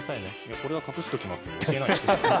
これは隠しときます